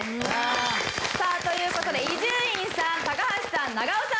さあという事で伊集院さん高橋さん長尾さん